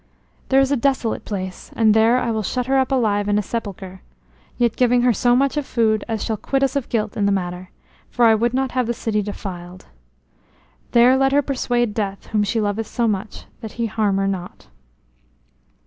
"There is a desolate place, and there I will shut her up alive in a sepulchre; yet giving her so much of food as shall quit us of guilt in the matter, for I would not have the city defiled. There let her persuade Death, whom she loveth so much, that he harm her not."